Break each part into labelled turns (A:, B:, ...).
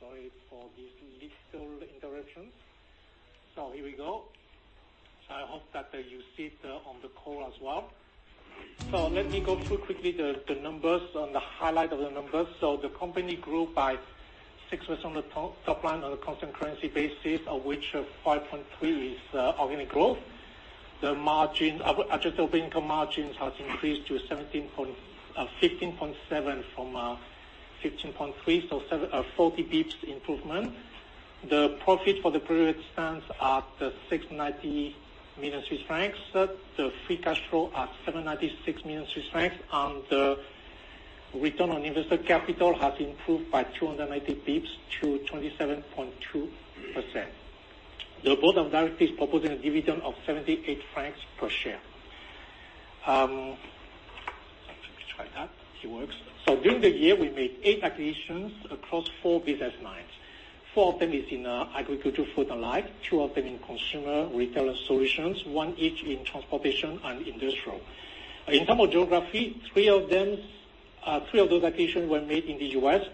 A: Sorry for this little interruption. Here we go. I hope that you see it on the call as well. Let me go through quickly the numbers and the highlight of the numbers. The company grew by 6% on the top line on a constant currency basis, of which 5.3 is organic growth. The adjusted income margins has increased to 15.7 from 15.3, 40 basis points improvement. The profit for the period stands at 690 million Swiss francs. The free cash flow at 796 million Swiss francs, and the return on invested capital has improved by 290 basis points to 27.2%. The board of directors is proposing a dividend of 78 francs per share. Let me try that. It works. During the year, we made eight acquisitions across four business lines. Four of them is in agriculture, food, and life, two of them in consumer retail solutions, one each in transportation and industrial. In terms of geography, three of those acquisitions were made in the U.S.,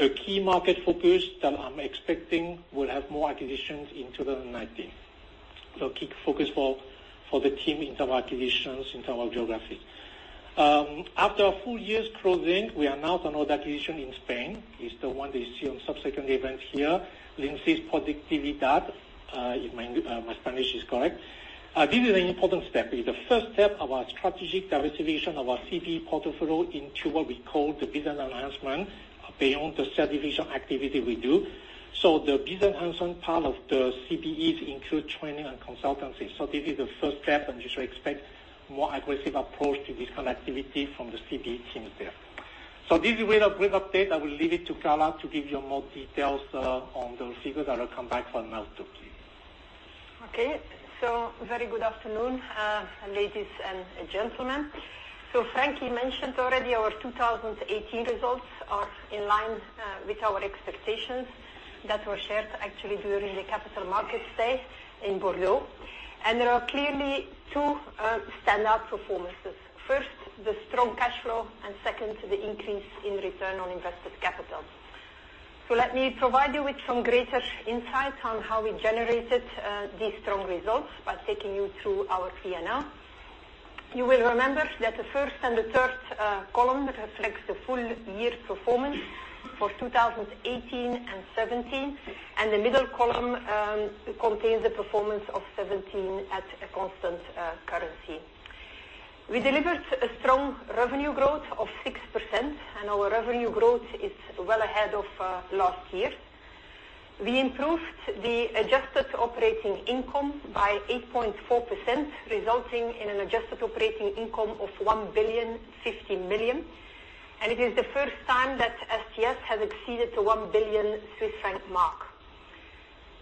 A: a key market focus that I'm expecting will have more acquisitions in 2019. Key focus for the team in terms of acquisitions, in terms of geography. After a full year's closing, we announced another acquisition in Spain. It's the one that you see on subsequent event here, LeanSis Productividad, if my Spanish is correct. This is an important step. It's the first step of our strategic diversification of our CBE portfolio into what we call the business enhancement, beyond the subdivision activity we do. The business enhancement part of the CBEs include training and consultancy. This is the first step, and you should expect more aggressive approach to this kind of activity from the CBE teams there. This is with a brief update. I will leave it to Carla to give you more details on those figures, and I'll come back for an update.
B: Okay. Very good afternoon, ladies and gentlemen. Frankie, he mentioned already our 2018 results are in line with our expectations that were shared actually during the Capital Market Day in Bordeaux. There are clearly two standout performances. First, the strong cash flow, and second, the increase in return on invested capital. Let me provide you with some greater insight on how we generated these strong results by taking you through our P&L. You will remember that the first and the third column reflects the full year performance for 2018 and 2017, and the middle column contains the performance of 2017 at a constant currency. We delivered a strong revenue growth of 6%, our revenue growth is well ahead of last year. We improved the adjusted operating income by 8.4%, resulting in an adjusted operating income of 1,050 million. It is the first time that SGS has exceeded the 1 billion Swiss franc mark.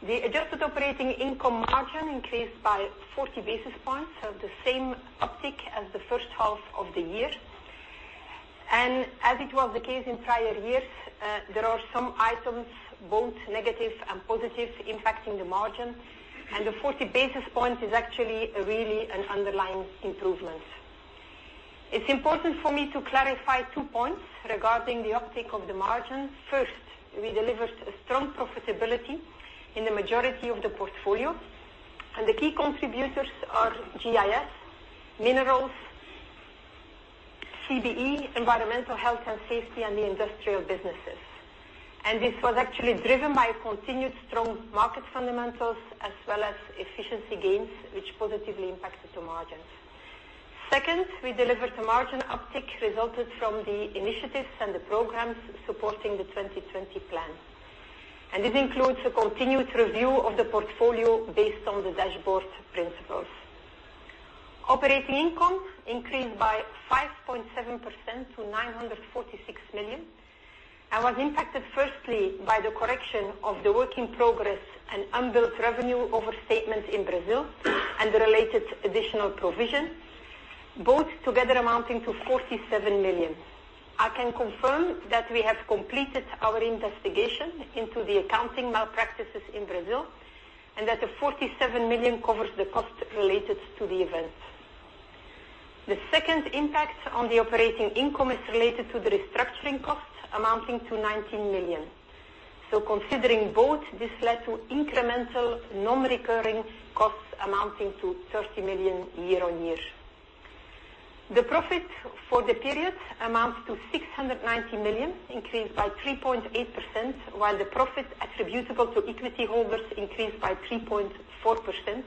B: The adjusted operating income margin increased by 40 basis points, the same uptick as the first half of the year. As it was the case in prior years, there are some items, both negative and positive, impacting the margin. The 40 basis points is actually really an underlying improvement. It is important for me to clarify two points regarding the uptick of the margin. First, we delivered a strong profitability in the majority of the portfolio. The key contributors are GIS, minerals, CBE, environmental health and safety, and the industrial businesses. This was actually driven by continued strong market fundamentals as well as efficiency gains, which positively impacted the margins. Second, we delivered a margin uptick resulted from the initiatives and the programs supporting the 2020 Plan. This includes a continued review of the portfolio based on the Dashboard principles. Operating income increased by 5.7% to 946 million, was impacted firstly by the correction of the work in progress and unbilled revenue overstatement in Brazil and the related additional provision, both together amounting to 47 million. I can confirm that we have completed our investigation into the accounting malpractices in Brazil, and that the 47 million covers the cost related to the event. The second impact on the operating income is related to the restructuring cost amounting to 19 million. Considering both, this led to incremental non-recurring costs amounting to 30 million year-on-year. The profit for the period amounts to 690 million, increased by 3.8%, while the profit attributable to equity holders increased by 3.4%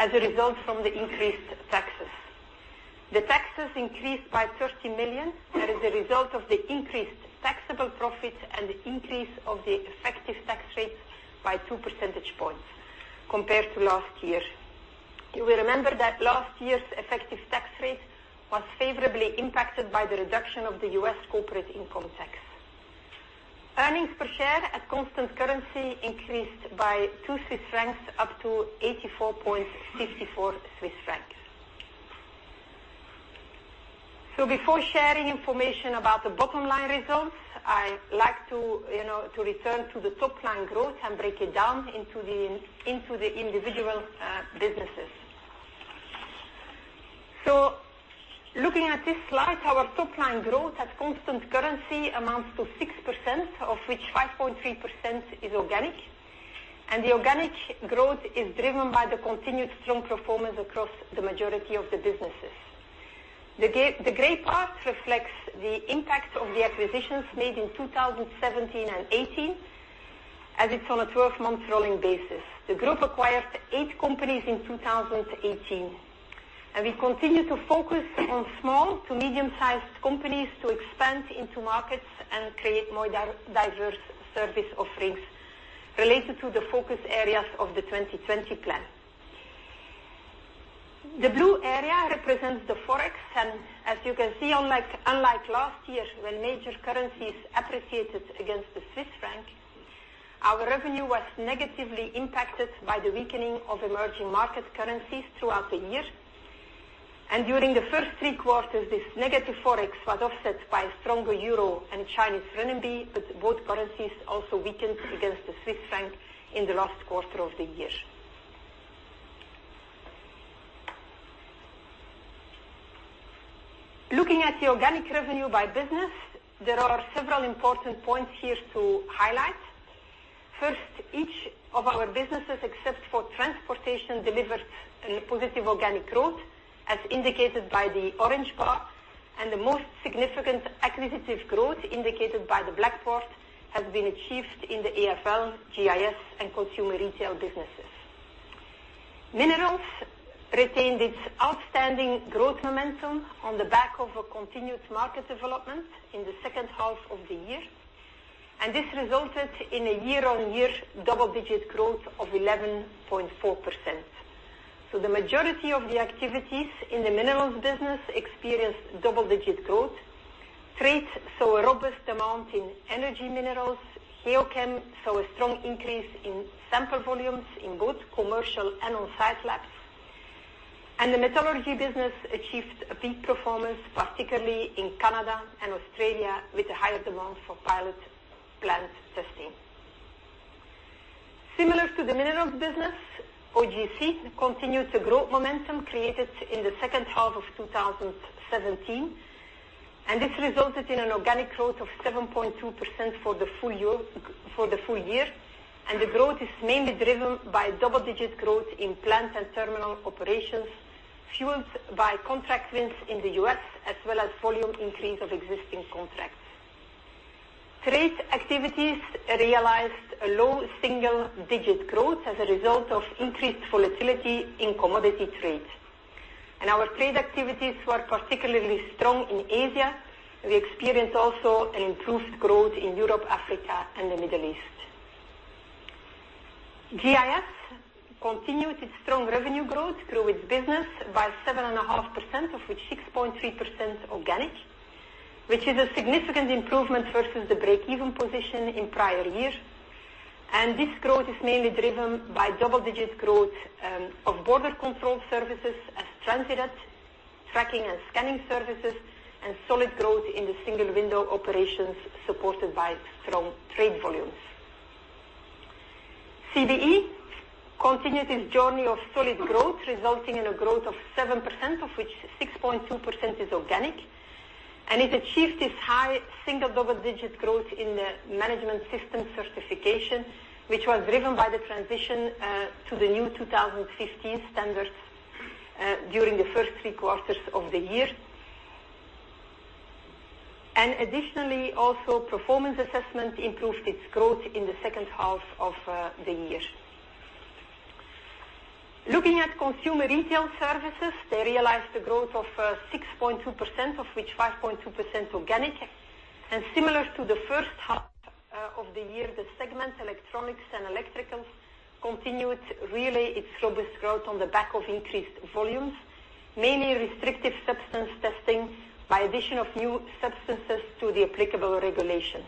B: as a result from the increased taxes. The taxes increased by 30 million. That is a result of the increased taxable profit and the increase of the effective tax rate by two percentage points compared to last year. You will remember that last year's effective tax rate was favorably impacted by the reduction of the U.S. corporate income tax. Earnings per share at constant currency increased by 2 Swiss francs up to 84.54 Swiss francs. Before sharing information about the bottom line results, I like to return to the top line growth and break it down into the individual businesses. Looking at this slide, our top line growth at constant currency amounts to 6%, of which 5.3% is organic. The organic growth is driven by the continued strong performance across the majority of the businesses. The gray part reflects the impact of the acquisitions made in 2017 and 2018, as it is on a 12-month rolling basis. The group acquired eight companies in 2018, and we continue to focus on small to medium-sized companies to expand into markets and create more diverse service offerings related to the focus areas of the 2020 Plan. The blue area represents the Forex, as you can see, unlike last year, when major currencies appreciated against the Swiss franc, our revenue was negatively impacted by the weakening of emerging market currencies throughout the year. During the first three quarters, this negative Forex was offset by a stronger Euro and Chinese renminbi, both currencies also weakened against the Swiss franc in the last quarter of the year. Looking at the organic revenue by business, there are several important points here to highlight. First, each of our businesses, except for transportation, delivered a positive organic growth, as indicated by the orange bar, and the most significant acquisitive growth indicated by the black bar, has been achieved in the AFL, GIS, and consumer retail businesses. Minerals retained its outstanding growth momentum on the back of a continued market development in the second half of the year, and this resulted in a year-on-year double-digit growth of 11.4%. The majority of the activities in the Minerals business experienced double-digit growth. Trades saw a robust amount in energy minerals. Geochem saw a strong increase in sample volumes in both commercial and on-site labs. The metallurgy business achieved a peak performance, particularly in Canada and Australia, with a higher demand for pilot plant testing. Similar to the Minerals business, OGC continued the growth momentum created in the second half of 2017, and this resulted in an organic growth of 7.2% for the full year. The growth is mainly driven by double-digit growth in plant and terminal operations, fueled by contract wins in the U.S. as well as volume increase of existing contracts. Trade activities realized a low single-digit growth as a result of increased volatility in commodity trade. Our trade activities were particularly strong in Asia. We experienced also an improved growth in Europe, Africa, and the Middle East. GIS continued its strong revenue growth through its business by 7.5%, of which 6.3% organic, which is a significant improvement versus the break-even position in prior years. This growth is mainly driven by double-digit growth of border control services as TransitNet, tracking and scanning services, and solid growth in the single window operations supported by strong trade volumes. CBE continued its journey of solid growth, resulting in a growth of 7%, of which 6.2% is organic, and it achieved this high single double-digit growth in the management system certification, which was driven by the transition to the new 2015 standards during the first three quarters of the year. Additionally, also, performance assessment improved its growth in the second half of the year. Looking at consumer retail services, they realized a growth of 6.2%, of which 5.2% organic. Similar to the first half of the year, the segment electronics and electrical continued really its robust growth on the back of increased volumes, mainly restrictive substance testing by addition of new substances to the applicable regulations.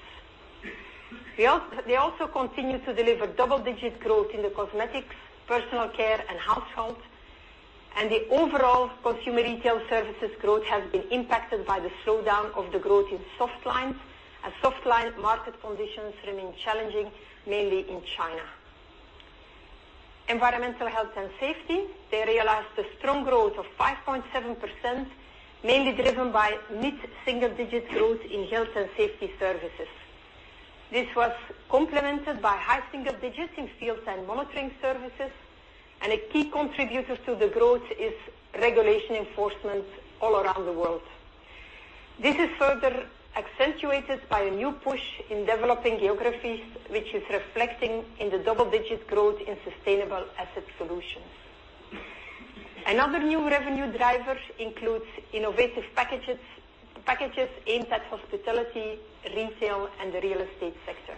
B: They also continued to deliver double-digit growth in the cosmetics, personal care, and household. The overall consumer retail services growth has been impacted by the slowdown of the growth in softline, as softline market conditions remain challenging, mainly in China. Environmental health and safety, they realized a strong growth of 5.7%, mainly driven by mid-single digit growth in health and safety services. This was complemented by high single digits in fields and monitoring services, and a key contributor to the growth is regulation enforcement all around the world. This is further accentuated by a new push in developing geographies, which is reflecting in the double-digit growth in sustainable asset solutions. Another new revenue driver includes innovative packages aimed at hospitality, retail, and the real estate sector.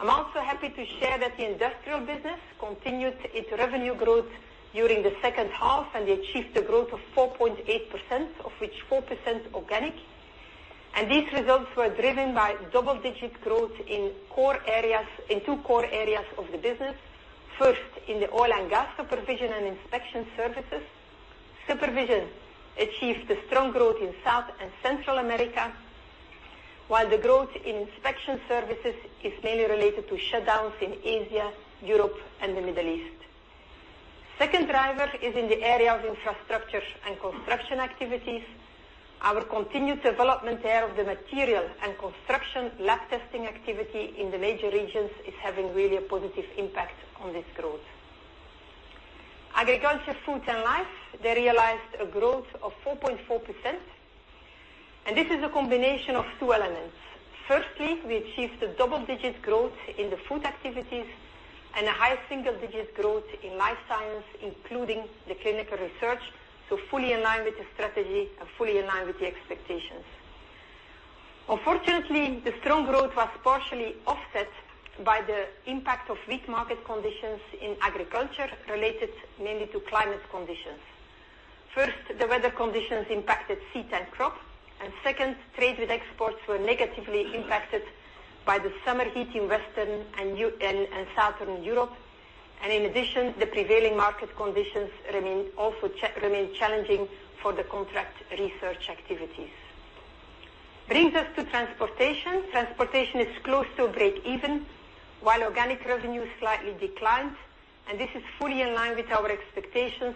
B: I'm also happy to share that the Industrial business continued its revenue growth during the second half, and they achieved a growth of 4.8%, of which 4% organic. These results were driven by double-digit growth in two core areas of the business. First, in the oil and gas supervision and inspection services. Supervision achieved a strong growth in South and Central America. The growth in inspection services is mainly related to shutdowns in Asia, Europe, and the Middle East. Second driver is in the area of infrastructure and construction activities. Our continued development there of the material and construction lab testing activity in the major regions is having really a positive impact on this growth. Agriculture, Food and Life, they realized a growth of 4.4%, and this is a combination of two elements. Firstly, we achieved a double-digit growth in the Food activities and a high single-digit growth in Life Science, including the clinical research, fully in line with the strategy and fully in line with the expectations. Unfortunately, the strong growth was partially offset by the impact of weak market conditions in Agriculture, related mainly to climate conditions. First, the weather conditions impacted seed and crop. Second, trade with exports were negatively impacted by the summer heat in Western and Southern Europe. In addition, the prevailing market conditions also remain challenging for the contract research activities. This brings us to Transportation. Transportation is close to break even, while organic revenue slightly declined. This is fully in line with our expectations,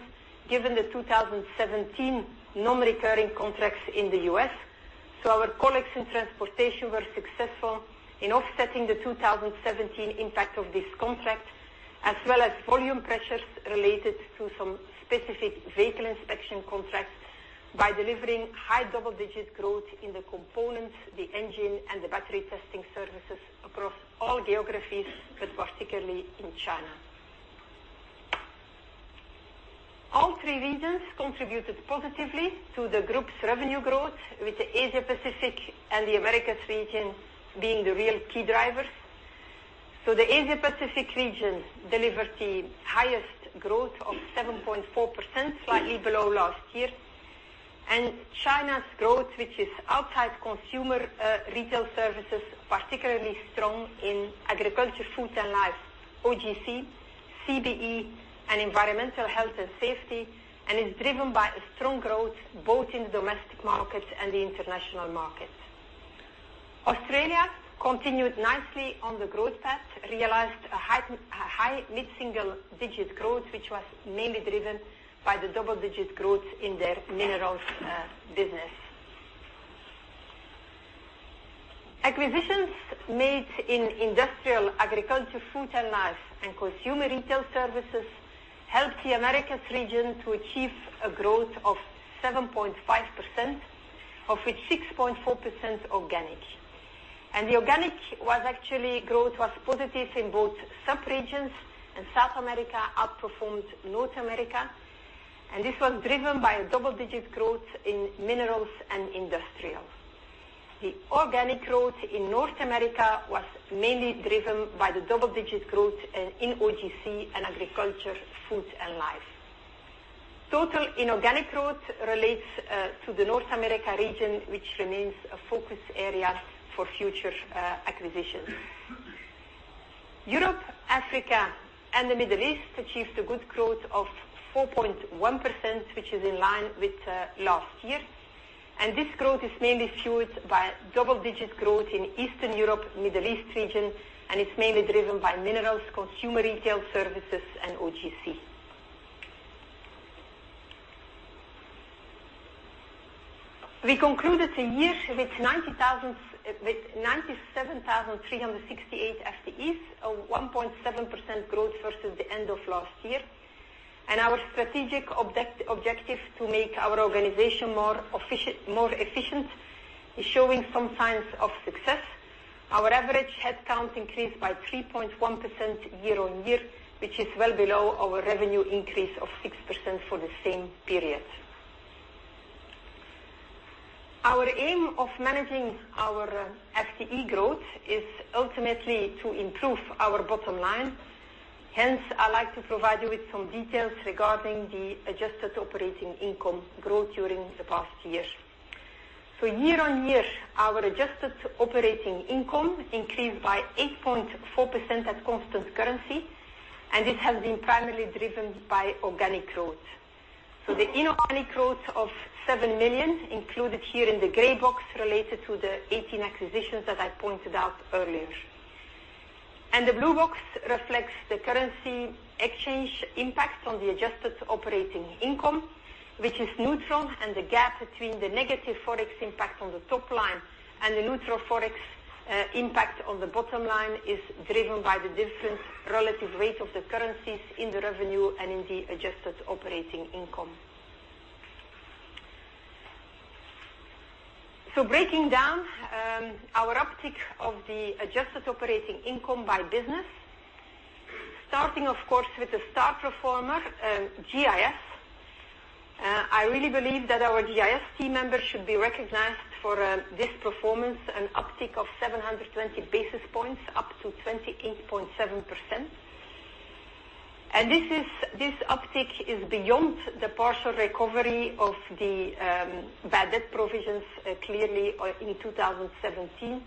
B: given the 2017 non-recurring contracts in the U.S. Our colleagues in Transportation were successful in offsetting the 2017 impact of this contract, as well as volume pressures related to some specific vehicle inspection contracts by delivering high double-digit growth in the components, the engine, and the battery testing services across all geographies, but particularly in China. All three regions contributed positively to the group's revenue growth, with the Asia-Pacific and the Americas region being the real key drivers. The Asia-Pacific region delivered the highest growth of 7.4%, slightly below last year. China's growth, which is outside Consumer Retail Services, particularly strong in Agriculture, Food and Life, OGC, CBE, and Environmental Health and Safety, and is driven by a strong growth both in the domestic market and the international market. Australia continued nicely on the growth path, realized a high mid-single digit growth, which was mainly driven by the double-digit growth in their Minerals business. Acquisitions made in Industrial, Agriculture, Food and Life, and Consumer Retail Services helped the Americas region to achieve a growth of 7.5%, of which 6.4% organic. The organic growth was actually positive in both subregions. South America outperformed North America, and this was driven by a double-digit growth in Minerals and Industrial. The organic growth in North America was mainly driven by the double-digit growth in OGC and Agriculture, Food and Life. Total inorganic growth relates to the North America region, which remains a focus area for future acquisitions. Europe, Africa, and the Middle East achieved a good growth of 4.1%, which is in line with last year. This growth is mainly fueled by double-digit growth in Eastern Europe, Middle East region, and it's mainly driven by Minerals, Consumer Retail Services, and OGC. We concluded the year with 97,368 FTEs, a 1.7% growth versus the end of last year, and our strategic objective to make our organization more efficient is showing some signs of success. Our average headcount increased by 3.1% year-on-year, which is well below our revenue increase of 6% for the same period. Our aim of managing our FTE growth is ultimately to improve our bottom line. Hence, I'd like to provide you with some details regarding the adjusted operating income growth during the past year. Year-on-year, our adjusted operating income increased by 8.4% at constant currency, and this has been primarily driven by organic growth. The inorganic growth of 7 million included here in the gray box related to the 2018 acquisitions that I pointed out earlier. The blue box reflects the currency exchange impact on the adjusted operating income, which is neutral, and the gap between the negative Forex impact on the top line and the neutral Forex impact on the bottom line is driven by the different relative weight of the currencies in the revenue and in the adjusted operating income. Breaking down our uptick of the adjusted operating income by business. Starting, of course, with the star performer, GIS. I really believe that our GIS team members should be recognized for this performance, an uptick of 720 basis points up to 28.7%. This uptick is beyond the partial recovery of the bad debt provisions clearly in 2017.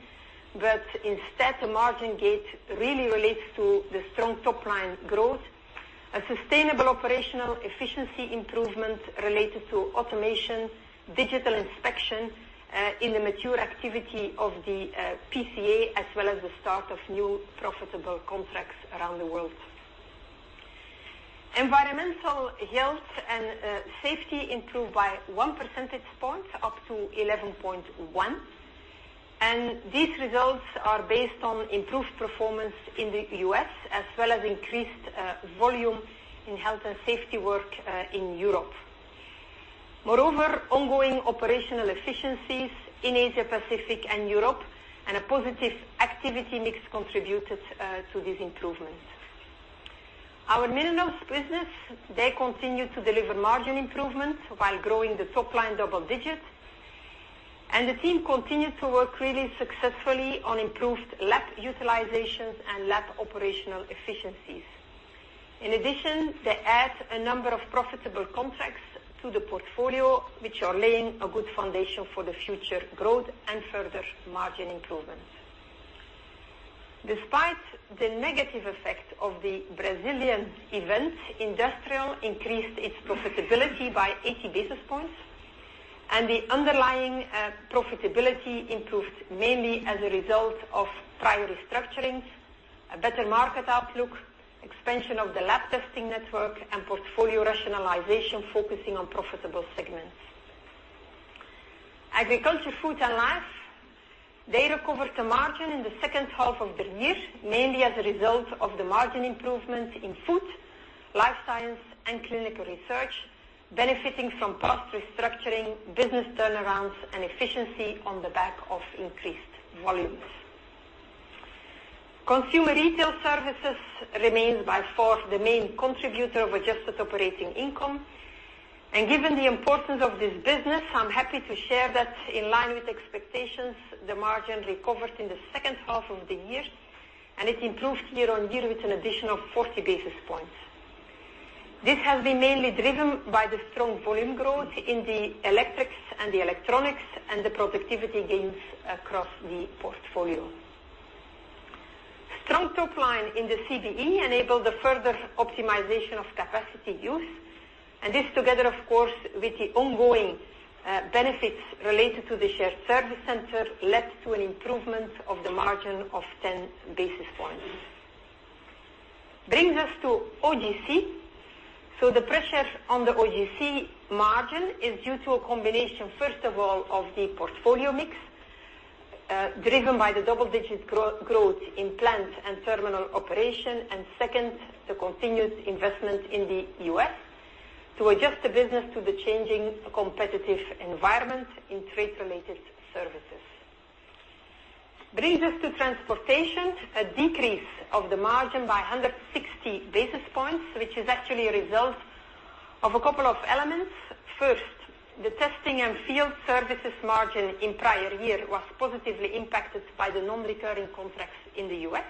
B: Instead, the margin gain really relates to the strong top-line growth, a sustainable operational efficiency improvement related to automation, digital inspection in the mature activity of the PCA, as well as the start of new profitable contracts around the world. Environmental health and safety improved by one percentage point, up to 11.1%, and these results are based on improved performance in the U.S. as well as increased volume in health and safety work in Europe. Moreover, ongoing operational efficiencies in Asia Pacific and Europe and a positive activity mix contributed to this improvement. Our minerals business, they continue to deliver margin improvement while growing the top line double digits, and the team continued to work really successfully on improved lab utilizations and lab operational efficiencies. In addition, they add a number of profitable contracts to the portfolio, which are laying a good foundation for the future growth and further margin improvements. Despite the negative effect of the Brazilian event, industrial increased its profitability by 80 basis points, and the underlying profitability improved mainly as a result of prior restructurings, a better market outlook, expansion of the lab testing network, and portfolio rationalization focusing on profitable segments. Agriculture, food, and life, they recovered the margin in the second half of the year, mainly as a result of the margin improvement in food, life science, and clinical research, benefiting from past restructuring, business turnarounds, and efficiency on the back of increased volumes. Consumer retail services remains by far the main contributor of adjusted operating income. Given the importance of this business, I'm happy to share that in line with expectations, the margin recovered in the second half of the year, and it improved year-on-year with an additional 40 basis points. This has been mainly driven by the strong volume growth in the electrics and electronics, and the productivity gains across the portfolio. Strong top line in the CBE enabled the further optimization of capacity use, and this together, of course, with the ongoing benefits related to the shared service center, led to an improvement of the margin of 10 basis points. Brings us to OGC. The pressure on the OGC margin is due to a combination, first of all, of the portfolio mix, driven by the double-digit growth in plant and terminal operation, and second, the continuous investment in the U.S. to adjust the business to the changing competitive environment in trade-related services. Brings us to transportation, a decrease of the margin by 160 basis points, which is actually a result of a couple of elements. First, the testing and field services margin in prior year was positively impacted by the non-recurring contracts in the U.S.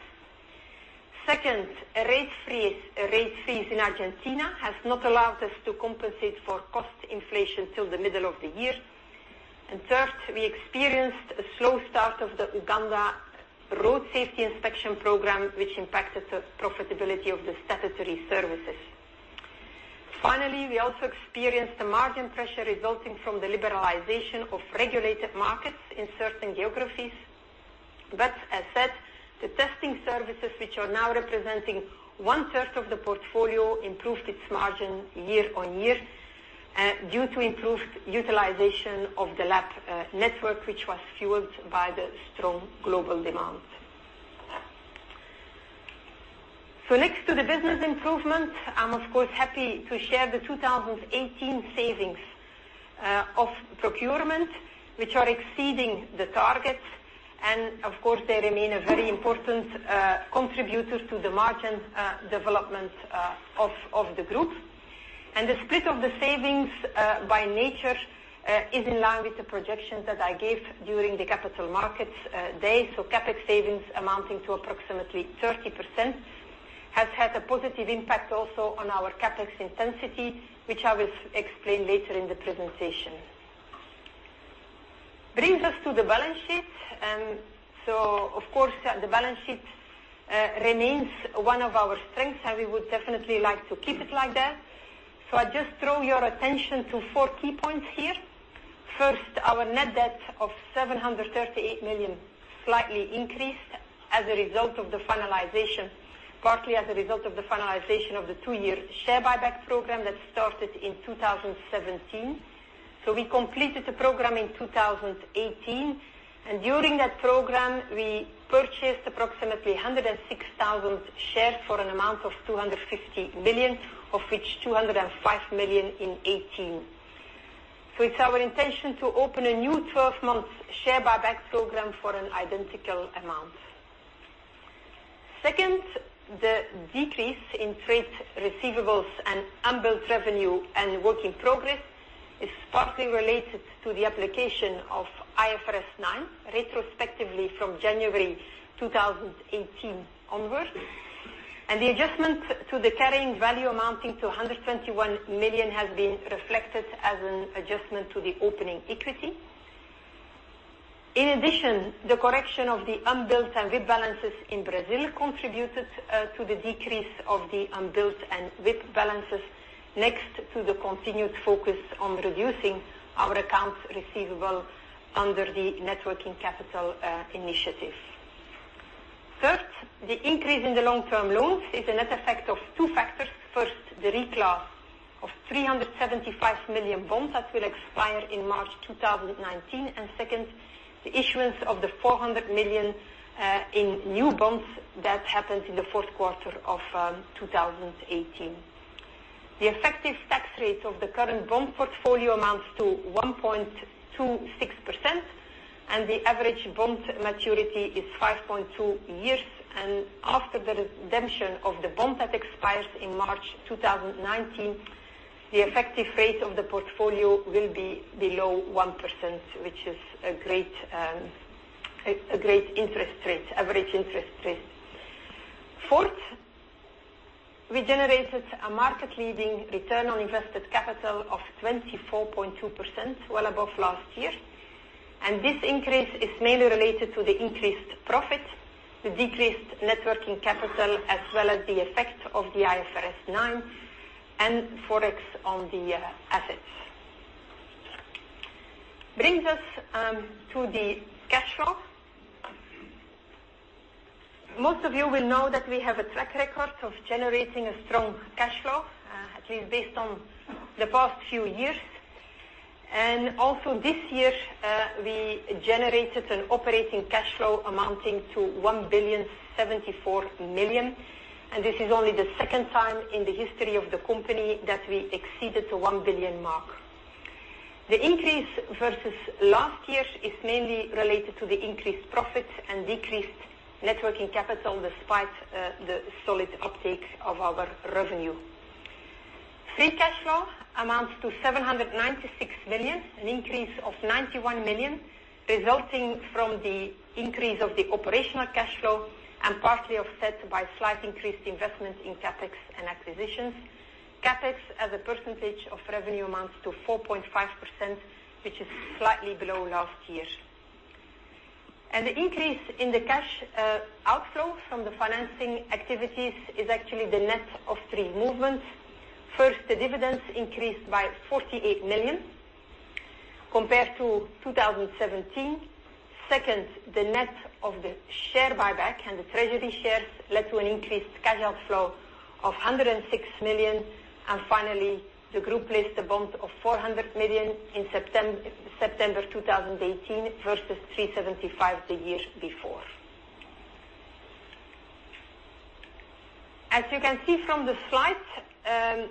B: Second, a rate freeze in Argentina has not allowed us to compensate for cost inflation till the middle of the year. Third, we experienced a slow start of the Uganda Road Safety Inspection Program, which impacted the profitability of the statutory services. Finally, we also experienced a margin pressure resulting from the liberalization of regulated markets in certain geographies. As said, the testing services, which are now representing one-third of the portfolio, improved its margin year-on-year, due to improved utilization of the lab network, which was fueled by the strong global demand. Next to the business improvement, I'm of course happy to share the 2018 savings of procurement, which are exceeding the target. Of course, they remain a very important contributor to the margin development of the group. The split of the savings, by nature, is in line with the projections that I gave during the Capital Market Day. CapEx savings amounting to approximately 30% has had a positive impact also on our CapEx intensity, which I will explain later in the presentation. Brings us to the balance sheet. Of course, the balance sheet remains one of our strengths, and we would definitely like to keep it like that. I just draw your attention to four key points here. First, our net debt of 738 million slightly increased, partly as a result of the finalization of the two-year share buyback program that started in 2017. We completed the program in 2018, and during that program, we purchased approximately 106,000 shares for an amount of 250 million, of which 205 million in 2018. It's our intention to open a new 12-month share buyback program for an identical amount. Second, the decrease in trade receivables and unbilled revenue and work in progress is partly related to the application of IFRS 9, retrospectively from January 2018 onwards, and the adjustment to the carrying value amounting to 121 million has been reflected as an adjustment to the opening equity. In addition, the correction of the unbilled and WIP balances in Brazil contributed to the decrease of the unbilled and WIP balances next to the continued focus on reducing our accounts receivable under the net working capital initiative. Third, the increase in the long-term loans is a net effect of two factors. First, the reclass of 375 million bonds that will expire in March 2019, and second, the issuance of the 400 million in new bonds that happened in the fourth quarter of 2018. The effective tax rate of the current bond portfolio amounts to 1.26%, and the average bond maturity is 5.2 years. After the redemption of the bond that expires in March 2019, the effective rate of the portfolio will be below 1%, which is a great average interest rate. Fourth, we generated a market-leading return on invested capital of 24.2%, well above last year. This increase is mainly related to the increased profit, the decreased net working capital, as well as the effect of the IFRS 9 and Forex on the assets. Brings us to the cash flow. Most of you will know that we have a track record of generating a strong cash flow, at least based on the past few years. Also this year, we generated an operating cash flow amounting to 1,074,000,000. This is only the second time in the history of the company that we exceeded the 1 billion mark. The increase versus last year is mainly related to the increased profit and decreased net working capital, despite the solid uptake of our revenue. Free cash flow amounts to 796 million, an increase of 91 million, resulting from the increase of the operational cash flow and partly offset by slight increased investment in CapEx and acquisitions. CapEx as a percentage of revenue amounts to 4.5%, which is slightly below last year. The increase in the cash outflow from the financing activities is actually the net of three movements. First, the dividends increased by 48 million compared to 2017. Second, the net of the share buyback and the treasury shares led to an increased cash outflow of 106 million. Finally, the group placed a bond of 400 million in September 2018 versus 375 the year before. As you can see from the slide,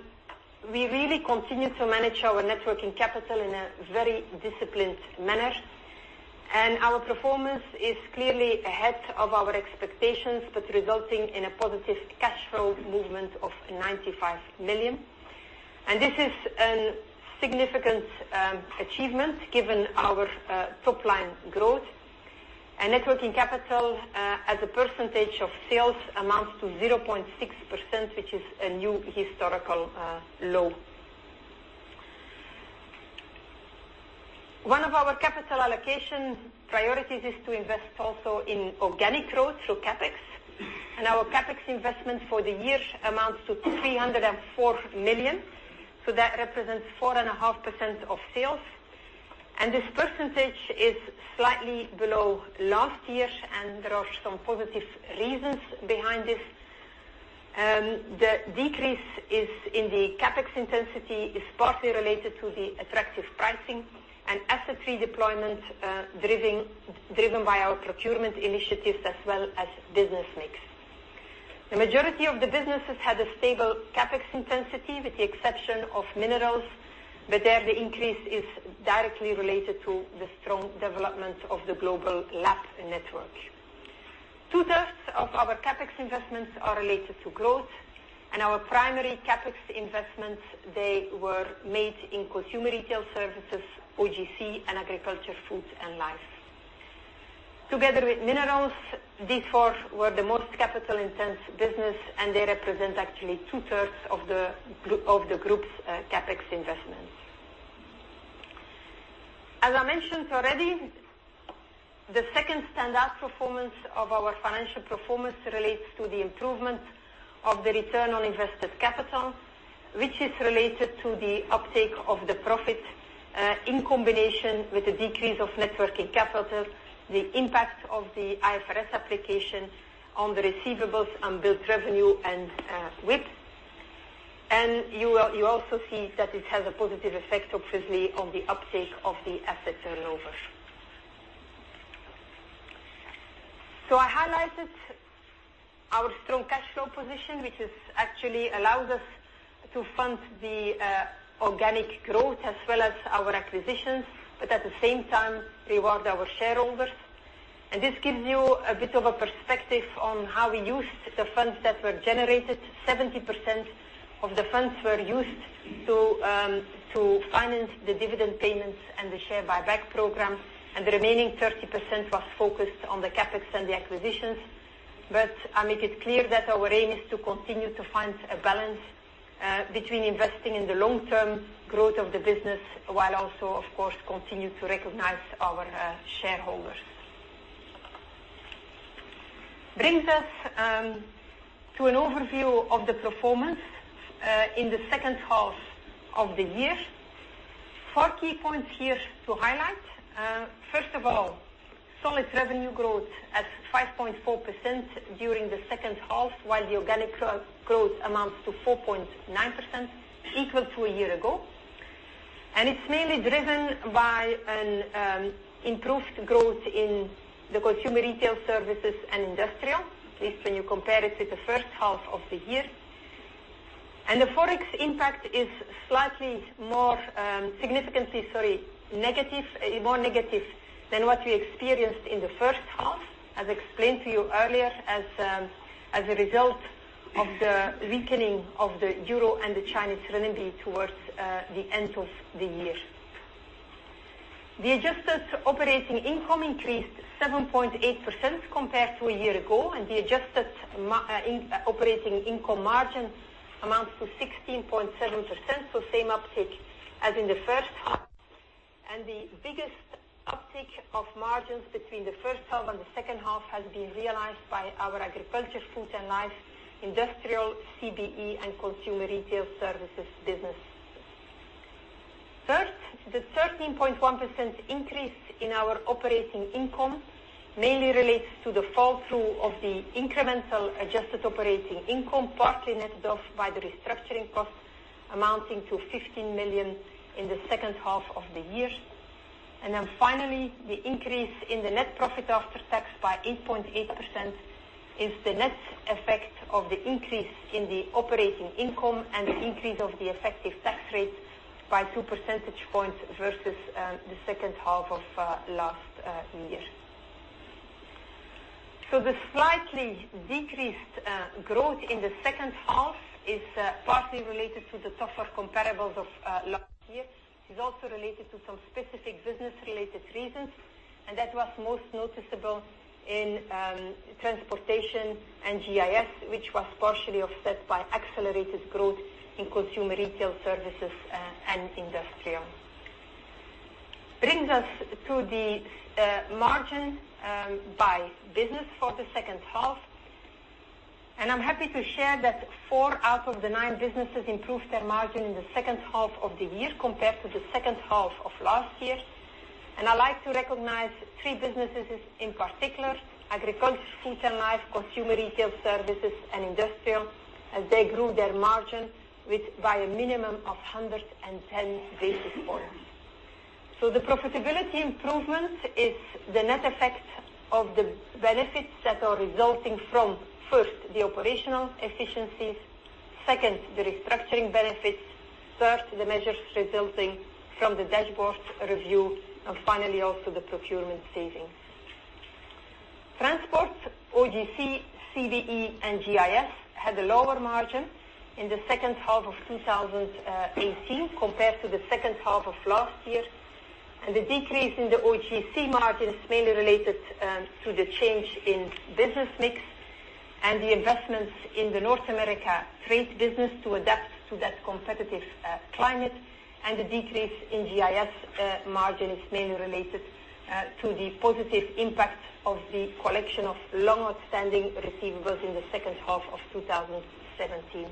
B: we really continue to manage our net working capital in a very disciplined manner. Our performance is clearly ahead of our expectations, but resulting in a positive cash flow movement of 95 million. This is a significant achievement given our top-line growth. Net working capital as a percentage of sales amounts to 0.6%, which is a new historical low. One of our capital allocation priorities is to invest also in organic growth through CapEx. Our CapEx investment for the year amounts to 304 million. That represents 4.5% of sales. This percentage is slightly below last year's, and there are some positive reasons behind this. The decrease in the CapEx intensity is partly related to the attractive pricing and asset redeployment driven by our procurement initiatives as well as business mix. The majority of the businesses had a stable CapEx intensity with the exception of Minerals, but there the increase is directly related to the strong development of the global lab network. Two-thirds of our CapEx investments are related to growth, and our primary CapEx investments, they were made in Consumer Retail Services, OGC, and Agriculture, Food and Life. Together with Minerals, these four were the most capital-intense business, and they represent actually two-thirds of the group's CapEx investments. As I mentioned already, the second standout performance of our financial performance relates to the improvement of the return on invested capital, which is related to the uptake of the profit in combination with the decrease of net working capital, the impact of the IFRS application on the receivables, unbilled revenue, and WIP. You also see that it has a positive effect, obviously, on the uptake of the asset turnover. I highlighted our strong cash flow position, which actually allows us to fund the organic growth as well as our acquisitions, but at the same time reward our shareholders. This gives you a bit of a perspective on how we used the funds that were generated. 70% of the funds were used to finance the dividend payments and the share buyback program, and the remaining 30% was focused on the CapEx and the acquisitions. I make it clear that our aim is to continue to find a balance between investing in the long-term growth of the business, while also, of course, continue to recognize our shareholders. This brings us to an overview of the performance in the second half of the year. Four key points here to highlight. Solid revenue growth at 5.4% during the second half, while the organic growth amounts to 4.9%, equal to a year ago. It is mainly driven by an improved growth in the Consumer Retail Services and Industrial, at least when you compare it to the first half of the year. The Forex impact is slightly more significantly, sorry, more negative than what we experienced in the first half, as explained to you earlier, as a result of the weakening of the euro and the Chinese renminbi towards the end of the year. The adjusted operating income increased 7.8% compared to a year ago, and the adjusted operating income margin amounts to 16.7%, same uptick as in the first half. The biggest uptick of margins between the first half and the second half has been realized by our Agriculture, Food and Life, Industrial, CBE, and Consumer Retail Services businesses. The 13.1% increase in our operating income mainly relates to the flow-through of the incremental adjusted operating income, partly netted off by the restructuring costs amounting to 15 million in the second half of the year. Finally, the increase in the net profit after tax by 8.8% is the net effect of the increase in the operating income and the increase of the effective tax rate by two percentage points versus the second half of last year. The slightly decreased growth in the second half is partly related to the tougher comparables of last year. It's also related to some specific business-related reasons. That was most noticeable in Transportation and GIS, which was partially offset by accelerated growth in Consumer Retail Services and Industrial. Brings us to the margin by business for the second half. I'm happy to share that four out of the nine businesses improved their margin in the second half of the year compared to the second half of last year. I like to recognize three businesses in particular, Agriculture, Food and Life, Consumer Retail Services, and Industrial, as they grew their margin by a minimum of 110 basis points. The profitability improvement is the net effect of the benefits that are resulting from, first, the operational efficiencies, second, the restructuring benefits, third, the measures resulting from the dashboard review, and finally, also the procurement savings. Transport, OGC, CBE, and GIS had a lower margin in the second half of 2018 compared to the second half of last year. The decrease in the OGC margin is mainly related to the change in business mix and the investments in the North America trade business to adapt to that competitive climate. The decrease in GIS margin is mainly related to the positive impact of the collection of long-outstanding receivables in the second half of 2017.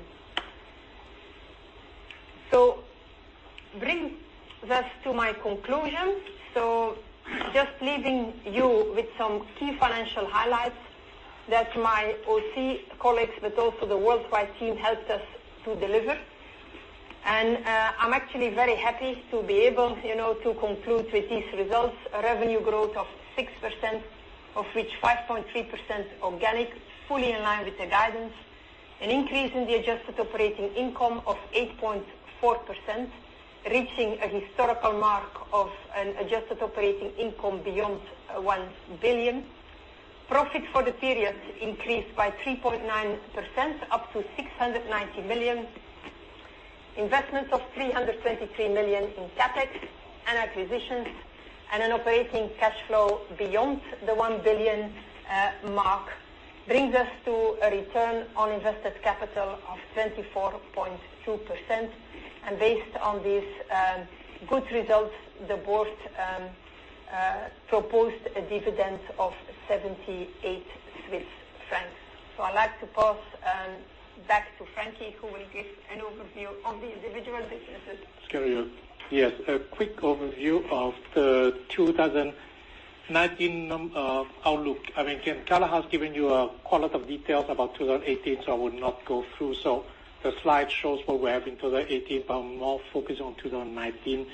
B: Brings us to my conclusion. Just leaving you with some key financial highlights that my OC colleagues, but also the worldwide team helped us to deliver. I'm actually very happy to be able to conclude with these results. Revenue growth of 6%, of which 5.3% organic, fully in line with the guidance. An increase in the adjusted operating income of 8.4%, reaching a historical mark of an adjusted operating income beyond 1 billion. Profit for the period increased by 3.9%, up to 690 million. Investments of 323 million in CapEx and acquisitions, and an operating cash flow beyond the 1 billion mark brings us to a return on invested capital of 24.2%. Based on these good results, the board proposed a dividend of 78 Swiss francs. I'd like to pass back to Frankie, who will give an overview of the individual businesses.
A: Thank you. Yes, a quick overview of the 2019 outlook. I mean, Carla has given you a lot of details about 2018. I would not go through. The slide shows what we have in 2018, but I'm more focused on 2019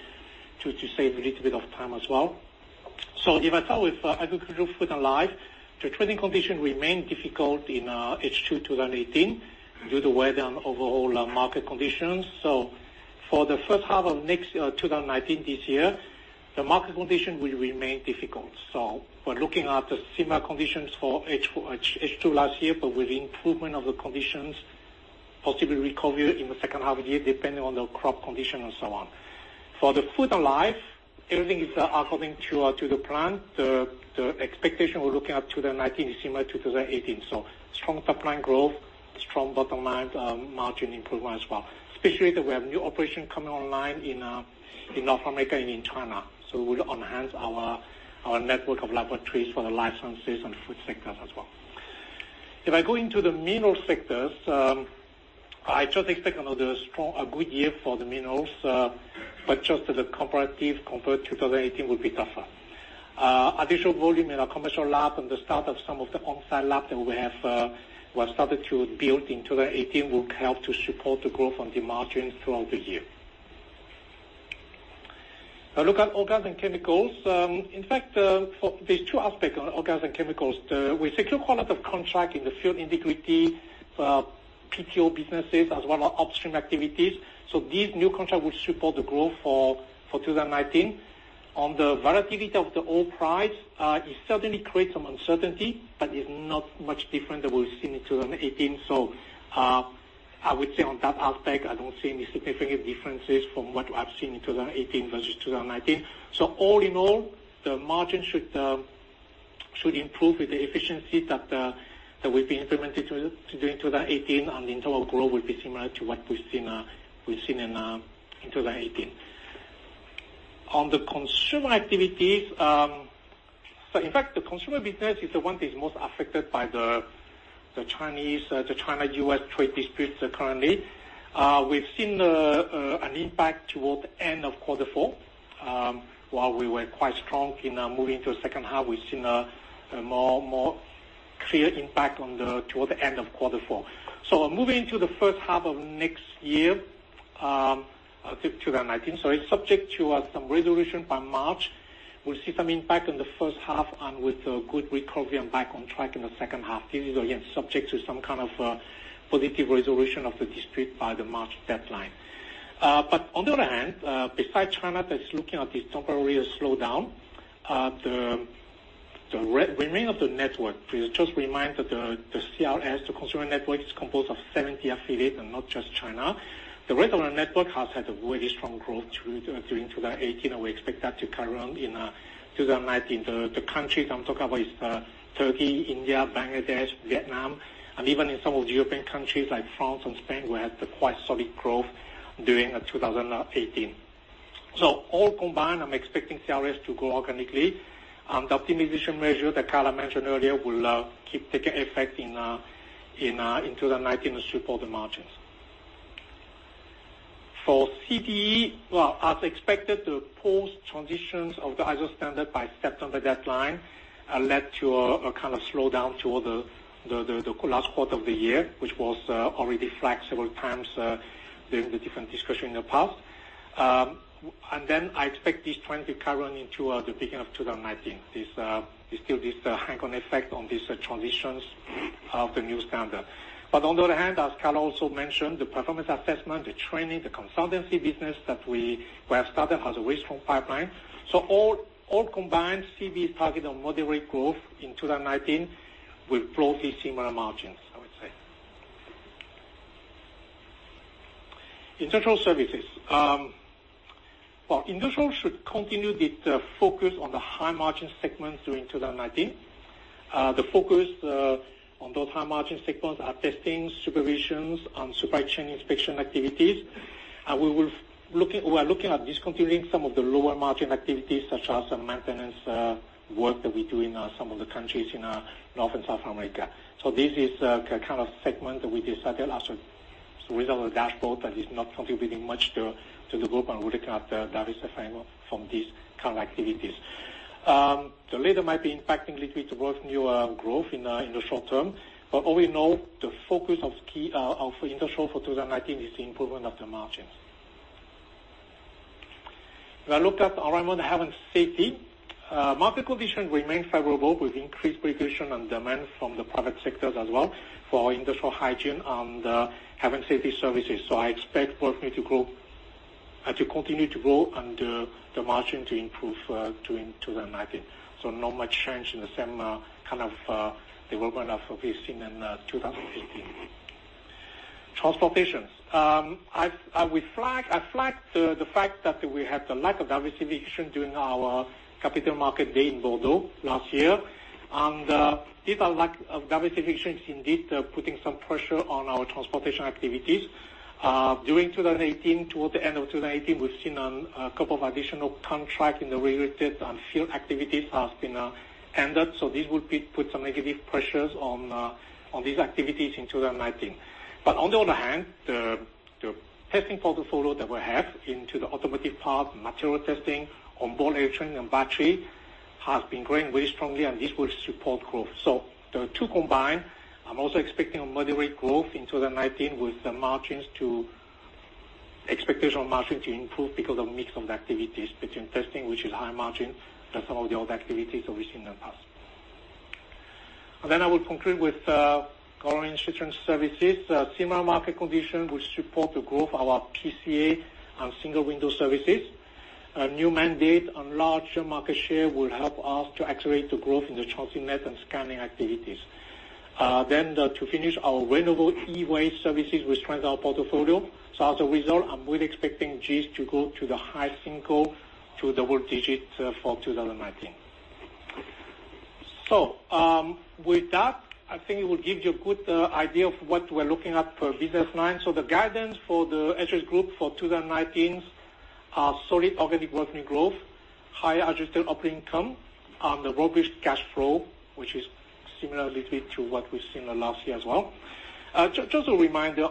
A: to save a little bit of time as well. If I start with Agriculture, Food and Life, the trading condition remained difficult in H2 2018 due to weather and overall market conditions. For the first half of next, 2019 this year, the market condition will remain difficult. We're looking at the similar conditions for H2 last year, but with improvement of the conditions, possibly recovery in the second half of the year, depending on the crop condition and so on. For the Food and Life, everything is according to the plan. The expectation, we're looking up to the 19th December, 2018. Strong top line growth, strong bottom line margin improvement as well, especially that we have new operation coming online in North America and in China. We'll enhance our network of laboratories for the life sciences and food sectors as well. If I go into the Minerals sectors, I just expect another good year for the Minerals, but just the comparative compared 2018 will be tougher. Additional volume in our commercial lab and the start of some of the on-site lab that we have started to build in 2018 will help to support the growth on the margins throughout the year. Now look at Oil, Gas and Chemicals. In fact, there's two aspects on Oil, Gas and Chemicals. We secure qualitative contract in the field integrity, PTO businesses as well as upstream activities. These new contracts will support the growth for 2019. On the volatility of the oil price, it certainly creates some uncertainty, but it's not much different than we've seen in 2018. I would say on that aspect, I don't see any significant differences from what I've seen in 2018 versus 2019. All in all, the margin should improve with the efficiency that will be implemented during 2018, and the internal growth will be similar to what we've seen in 2018. On the consumer activities. In fact, the consumer business is the one that is most affected by the China-U.S. trade disputes currently. We've seen an impact toward the end of quarter four. While we were quite strong in moving to the second half, we've seen a more clear impact toward the end of quarter four. Moving into the first half of next year, 2019. It's subject to some resolution by March. We'll see some impact on the first half and with a good recovery and back on track in the second half. This is, again, subject to some kind of positive resolution of the dispute by the March deadline. On the other hand, besides China, that's looking at the temporary slowdown. The remain of the network, just remind that the CRS, the consumer network, is composed of 70 affiliates and not just China. The rest of our network has had a very strong growth during 2018, and we expect that to carry on in 2019. The countries I'm talking about is Turkey, India, Bangladesh, Vietnam, and even in some of the European countries like France and Spain, we had quite solid growth during 2018. All combined, I'm expecting CRS to grow organically, and the optimization measure that Carla mentioned earlier will keep taking effect in 2019 to support the margins. For CBE, well, as expected, the post transitions of the ISO standard by September deadline, led to a kind of slowdown toward the last quarter of the year, which was already flagged several times during the different discussion in the past. I expect this trend to carry on into the beginning of 2019. There's still this hang on effect on these transitions of the new standard. On the other hand, as Carla also mentioned, the performance assessment, the training, the consultancy business that we have started has a very strong pipeline. All combined CBEs targeted on moderate growth in 2019, will broadly similar margins, I would say. Industrial Services. Well, Industrial should continue with the focus on the high-margin segments during 2019. The focus on those high-margin segments are testing, supervisions, and supply chain inspection activities. We are looking at discontinuing some of the lower-margin activities, such as the maintenance work that we do in some of the countries in North and South America. This is a kind of segment that we decided as a result of dashboard that is not contributing much to the group, and we are looking at diversifying from these kind of activities. The latter might be impacting little bit growth in the short term, all in all, the focus for Industrial for 2019 is the improvement of the margins. If I look at Environment, Health and Safety. Market conditions remain favorable with increased regulation and demand from the private sectors as well for industrial hygiene and health and safety services. I expect both me to grow, and to continue to grow and the margin to improve, during 2019. No much change in the same kind of development as we've seen in 2018. Transportation. I flagged the fact that we had the lack of diversification during our Capital Market Day in Bordeaux last year, and this lack of diversification is indeed putting some pressure on our transportation activities. During 2018, toward the end of 2018, we've seen a couple of additional contracts in the railroad and field activities has been ended. This would put some negative pressures on these activities in 2019. On the other hand, the testing portfolio that we have into the automotive part, material testing onboard electronics and battery, has been growing very strongly, and this will support growth. The two combined, I'm also expecting a moderate growth in 2019 with the margins expectation on margin to improve because of mix of activities between testing, which is high margin, and some of the old activities that we've seen in the past. I will conclude with our Government and Institutions Services. Similar market condition will support the growth of our PCA and single window services. A new mandate and larger market share will help us to accelerate the growth in the TransitNet and scanning activities. To finish our renewable e-waste services will strengthen our portfolio. As a result, I'm really expecting G to go to the high single to double digit for 2019. With that, I think it will give you a good idea of what we're looking at per business line. The guidance for the SGS group for 2019 are solid organic revenue growth, high adjusted operating income, and the robust cash flow, which is similarly to what we've seen last year as well. Just a reminder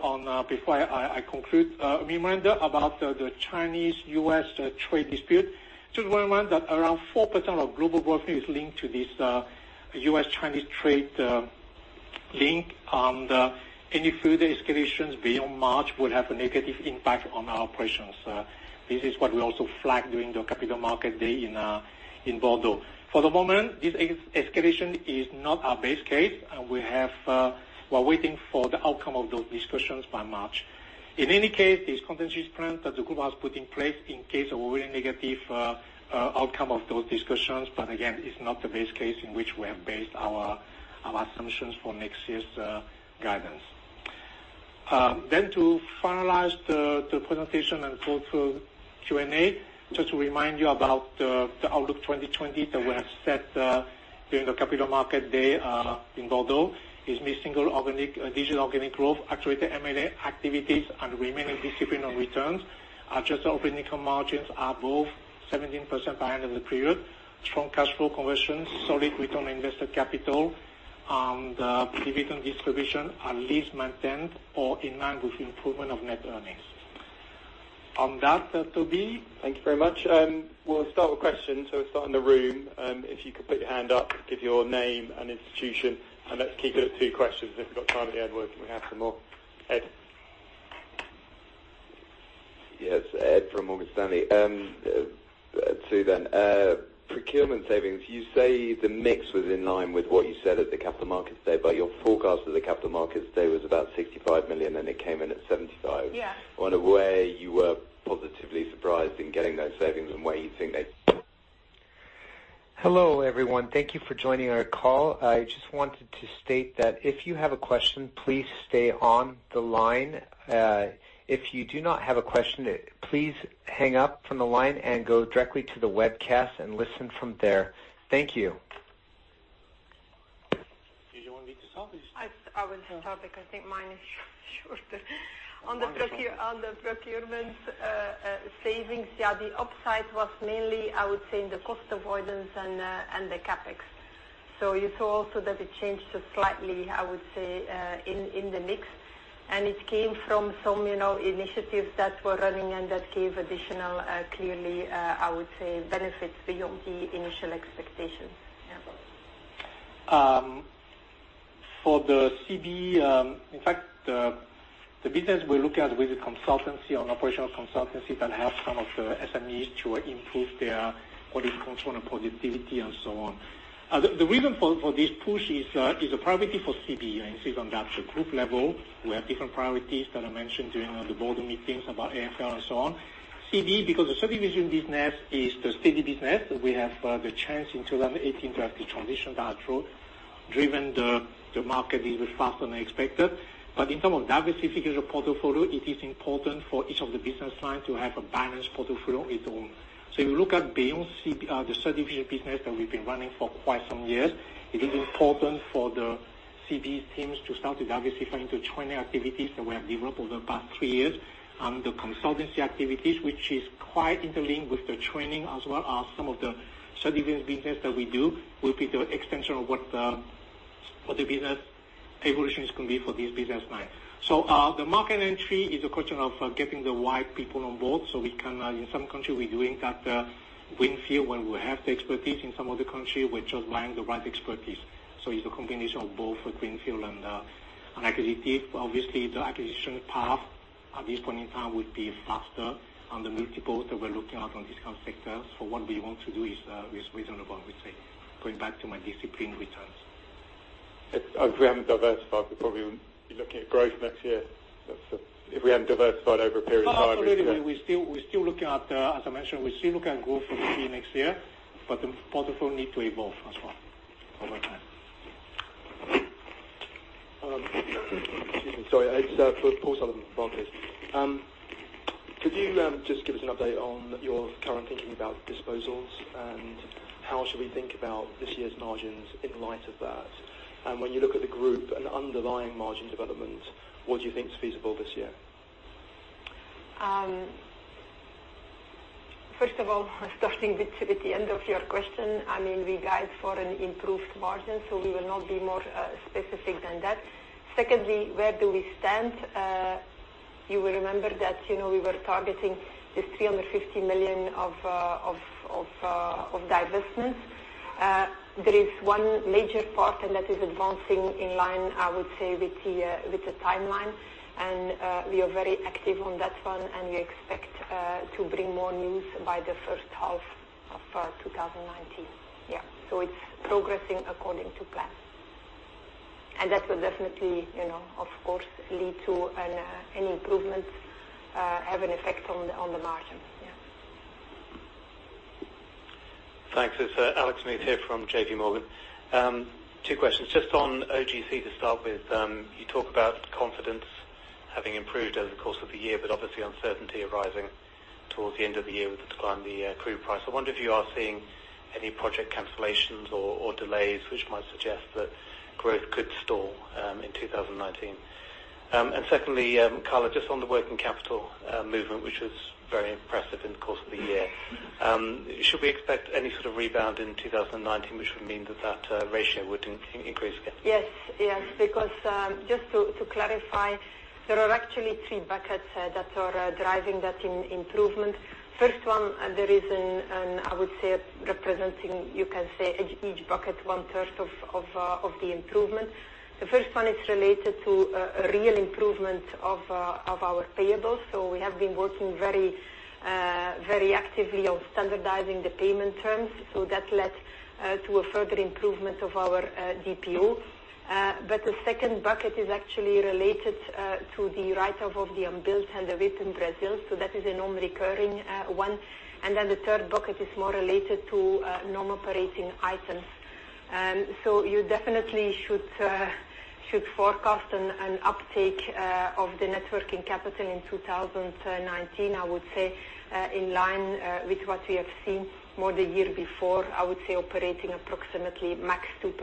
A: before I conclude, a reminder about the Chinese-U.S. trade dispute. Just bear in mind that around 4% of global growth is linked to this U.S.-Chinese trade link, and any further escalations beyond March would have a negative impact on our operations. This is what we also flagged during the Capital Market Day in Bordeaux. For the moment, this escalation is not our base case. We're waiting for the outcome of those discussions by March. In any case, this contingency plan that the group has put in place in case of a very negative outcome of those discussions, but again, it's not the base case in which we have based our assumptions for next year's guidance. To finalize the presentation and go through Q&A, just to remind you about the Outlook 2020 that we have set during the Capital Market Day in Bordeaux, is mid-single organic, digital organic growth, accelerated M&A activities, remaining discipline on returns. Adjusted operating income margins above 17% behind in the period. Strong cash flow conversion, solid return on invested capital, and dividend distribution are at least maintained or in line with improvement of net earnings. On that, Toby.
C: Thank you very much. We'll start with questions, we'll start in the room. If you could put your hand up, give your name and institution, and let's keep it at two questions. If we've got time at the end, we can have some more. Ed.
D: Ed from Morgan Stanley. Two then. Procurement savings. You say the mix was in line with what you said at the Capital Markets Day, your forecast at the Capital Markets Day was about 65 million, and it came in at 75.
B: Yeah.
D: I wonder where you were positively surprised in getting those savings and where you think they
E: Hello, everyone. Thank you for joining our call. I just wanted to state that if you have a question, please stay on the line. If you do not have a question, please hang up from the line and go directly to the webcast and listen from there. Thank you.
A: Did you want me to start?
B: I want to start because I think mine is shorter. On the procurement savings, yeah, the upside was mainly, I would say, in the cost avoidance and the CapEx. You saw also that it changed slightly, I would say, in the mix, it came from some initiatives that were running that gave additional, clearly, I would say, benefits beyond the initial expectations. Yeah, go on.
A: For the CBE, in fact, the business we're looking at with the consultancy on operational consultancy that helps some of the SMEs to improve their quality control and productivity and so on. The reason for this push is a priority for CBE. I insist on that. At group level, we have different priorities that I mentioned during the board meetings about AFL and so on. CBE, because the certification business is the steady business. We have the chance in 2018 to have the transition that driven the market a little faster than expected. In term of diversification of portfolio, it is important for each of the business lines to have a balanced portfolio of its own. You look at beyond CBE, the certification business that we've been running for quite some years, it is important for the CBE teams to start to diversify into training activities that we have developed over the past three years, and the consultancy activities, which is quite interlinked with the training, as well as some of the certification business that we do, will be the extension of what the business evolution is going to be for this business line. The market entry is a question of getting the right people on board so we can, in some countries, we're doing that greenfield where we have the expertise. In some other countries, we're just buying the right expertise. It's a combination of both greenfield and acquisition. Obviously, the acquisition path at this point in time would be faster, and the multiples that we're looking at on this sector for what we want to do is reasonable, I would say, going back to my discipline returns.
D: If we haven't diversified, we'd probably be looking at growth next year.
A: Absolutely. We're still looking at, as I mentioned, we're still looking at growth next year, the portfolio need to evolve as well over time.
F: Excuse me. Sorry. It's Paul Sullivan, Barclays. Could you just give us an update on your current thinking about disposals, how should we think about this year's margins in light of that? When you look at the group and underlying margin development, what do you think is feasible this year?
B: First of all, starting with the end of your question, we guide for an improved margin, we will not be more specific than that. Secondly, where do we stand? You will remember that we were targeting this 350 million of divestment. There is one major part, that is advancing in line, I would say, with the timeline, we are very active on that one, we expect to bring more news by the first half of 2019. Yeah. It's progressing according to plan. That will definitely, of course, lead to any improvements, have an effect on the margin. Yeah.
G: Thanks. It's Alex Smith here from JPMorgan. Two questions. Just on OGC to start with. You talk about confidence having improved over the course of the year, obviously uncertainty arising towards the end of the year with the decline in the crude price. I wonder if you are seeing any project cancellations or delays which might suggest that growth could stall in 2019. Secondly, Carla, just on the working capital movement, which was very impressive in the course of the year. Should we expect any sort of rebound in 2019, which would mean that that ratio would increase again?
B: Yes. Just to clarify, there are actually three buckets that are driving that improvement. First one, there is an, I would say, representing, you can say, each bucket one third of the improvement. The first one is related to a real improvement of our payables. We have been working very actively on standardizing the payment terms. That led to a further improvement of our DPO. The second bucket is actually related to the write-off of the unbilled and the WIP in Brazil. That is a non-recurring one. The third bucket is more related to non-operating items. You definitely should forecast an uptake of the net working capital in 2019. I would say, in line with what we have seen more the year before. I would say operating approximately max 2%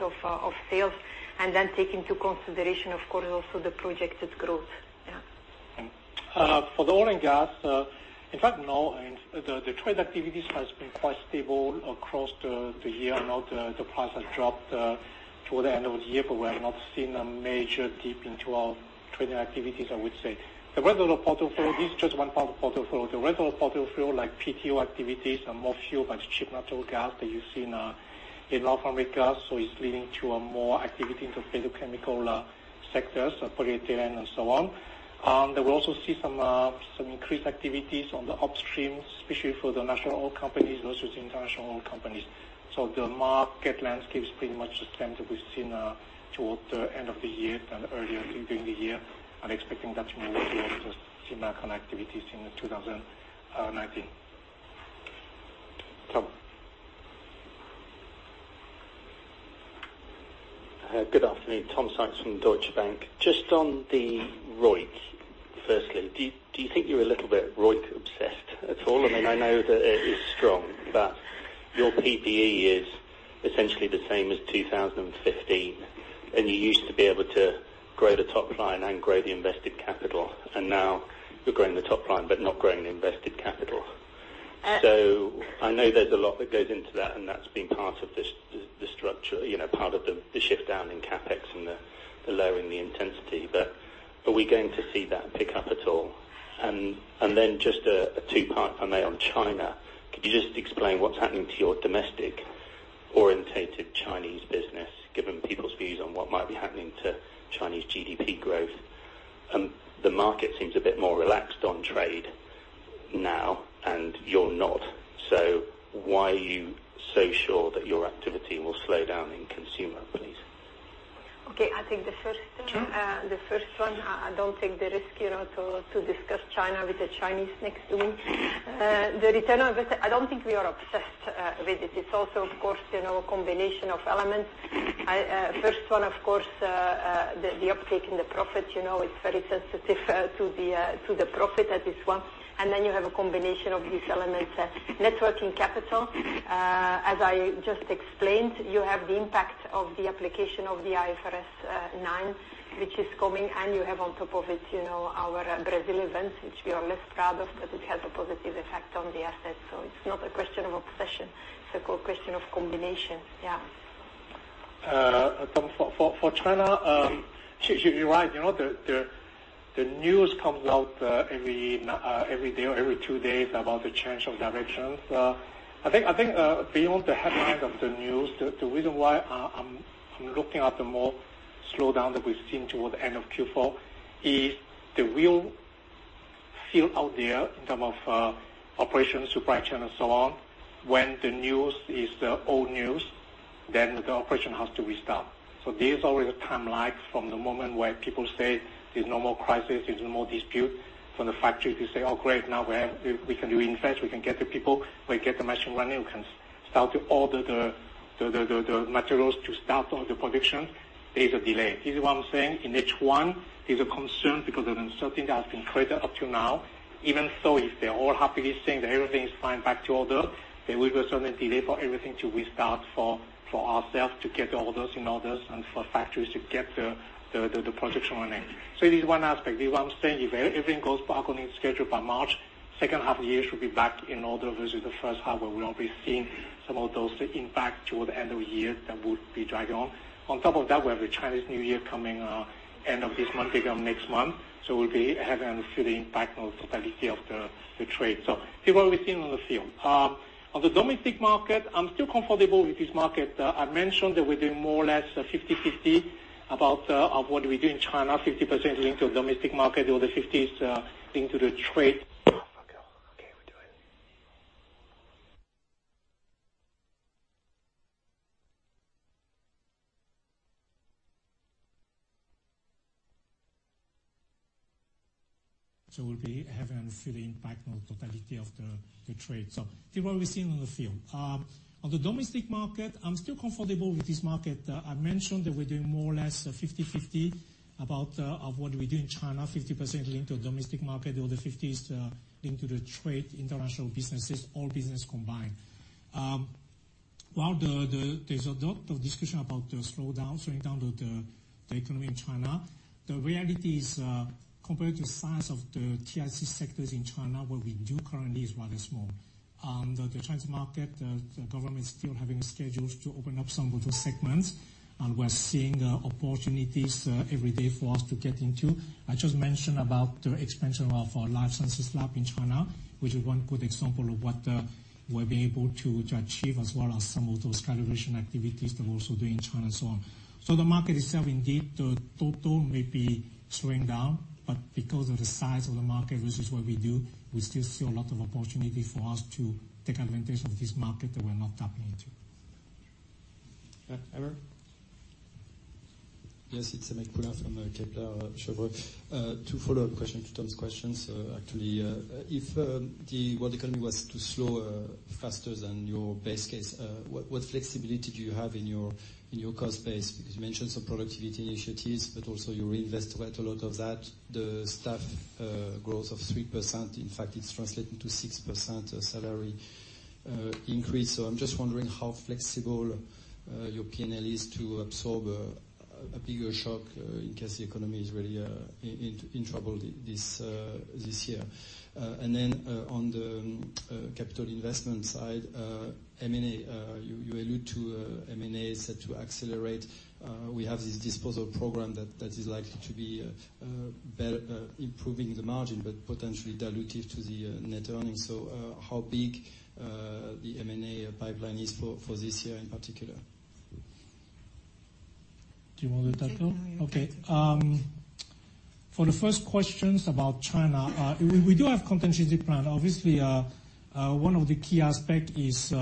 B: of sales then take into consideration, of course, also the projected growth. Yeah.
A: For the oil and gas, in fact, no. The trade activities has been quite stable across the year. Now the price has dropped toward the end of the year, but we have not seen a major dip into our trading activities, I would say. The rest of the portfolio, this is just one part of the portfolio. The rest of the portfolio, like PTO activities, are more fueled by the cheap natural gas that you see in North America. It's leading to more activity into petrochemical sectors, polyethylene, and so on. We also see some increased activities on the upstream, especially for the national oil companies versus international oil companies. The market landscape is pretty much the same that we've seen towards the end of the year than earlier in the year. I'm expecting that to move towards the American activities in 2019.
H: Tom. Good afternoon. Tom Sykes from Deutsche Bank. Just on the ROIC, firstly, do you think you're a little bit ROIC obsessed at all? I know that it is strong, but your PPE is essentially the same as 2015, and you used to be able to grow the top line and grow the invested capital, and now you're growing the top line but not growing the invested capital. I know there's a lot that goes into that, and that's been part of the structure, part of the shift down in CapEx and the lowering the intensity. Are we going to see that pick up at all? Just a two-part for me on China. Could you just explain what's happening to your domestic-orientated Chinese business, given people's views on what might be happening to Chinese GDP growth? The market seems a bit more relaxed on trade now, and you're not. Why are you so sure that your activity will slow down in consumer, please?
B: Okay. I think the first one, I don't think the risk to discuss China with the Chinese next to me. I don't think we are obsessed with it. It's also, of course, a combination of elements. First one, of course, the uptake in the profit. It's very sensitive to the profit at this one. You have a combination of these elements. Net working capital, as I just explained, you have the impact of the application of the IFRS 9, which is coming, and you have on top of it our Brazil events, which we are less proud of, but it has a positive effect on the assets. It's not a question of obsession. It's a question of combination. Yeah.
A: For China, you're right. The news comes out every day or every two days about the change of directions. I think, beyond the headlines of the news, the reason why I'm looking at the more slowdown that we've seen towards the end of Q4 is the real feel out there in terms of operations, supply chain, and so on. When the news is the old news, the operation has to restart. There's always a timeline from the moment where people say there's no more crisis, there's no more dispute. From the factory to say, "Oh, great. Now we can reinvest, we can get the people. When we get the machine running, we can start to order the materials to start all the production." There is a delay. This is what I'm saying. In H1, there's a concern because of the uncertainty that has been created up to now. Even so, if they're all happily saying that everything is fine back to order, there will be a certain delay for everything to restart for ourselves to get orders and for factories to get the production running. This is one aspect. This is what I'm saying. If everything goes back on its schedule by March, second half of the year should be back in order versus the first half where we'll not be seeing some of those impacts toward the end of the year that would be dragging on. On top of that, we have the Chinese New Year coming end of this month, beginning of next month. We'll be having a few impacts on the totality of the trade. On the domestic market, I'm still comfortable with this market. I mentioned that we're doing more or less 50/50 of what we do in China, 50% linked to domestic market, the other 50% is linked to the trade.
G: Okay.
A: We'll be having a full impact on the totality of the trade. That's what we're seeing in the field. On the domestic market, I'm still comfortable with this market. I mentioned that we're doing more or less 50/50 about of what we do in China, 50% linked to domestic market or the 50 is linked to the trade international businesses, all business combined. While there's a lot of discussion about the slowdown, slowing down of the economy in China, the reality is, compared to the size of the TIC sectors in China, what we do currently is rather small. The Chinese market, the government is still having schedules to open up some of those segments, and we're seeing opportunities every day for us to get into. I just mentioned about the expansion of our life sciences lab in China, which is one good example of what we're being able to achieve as well as some of those calibration activities that we're also doing in China and so on. The market itself, indeed, the total may be slowing down, but because of the size of the market versus what we do, we still see a lot of opportunity for us to take advantage of this market that we're not tapping into.
C: Aymeric.
I: Yes, it's Aymeric Poulain from Kepler Cheuvreux. Two follow-up question to Tom's questions. Actually, if the world economy was to slow faster than your base case, what flexibility do you have in your cost base? Because you mentioned some productivity initiatives, but also you reinvest quite a lot of that. The staff growth of 3%, in fact it's translating to 6% salary increase. I'm just wondering how flexible your P&L is to absorb a bigger shock in case the economy is really in trouble this year. On the capital investment side, M&A. You allude to M&A set to accelerate. We have this disposal program that is likely to be improving the margin, but potentially dilutive to the net earnings. How big the M&A pipeline is for this year in particular?
A: Do you want to take that?
B: I can take it.
A: For the first questions about China, we do have contingency plan. Obviously one of the key aspect is